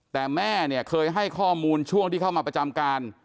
แต่แม่เนี่ยเคยให้ข้อมูลช่วงที่เข้ามาประจำการ